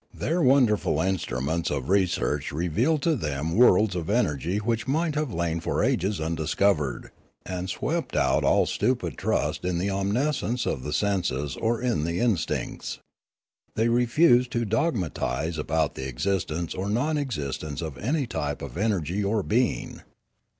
Their wonderful instruments of re search revealed to them worlds of energy which might have lain for ages undiscovered, and swept out all stupid trust in the omniscience of the senses or the in stincts. They refused to dogmatise about the existence or non existence of any type of energy or being.